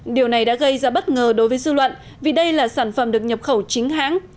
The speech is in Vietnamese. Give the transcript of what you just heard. điều này đã gây ra bất ngờ đối với dư luận vì đây là sản phẩm được nhập khẩu chính hãng